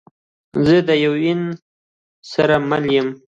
زه ده یون سره مل یم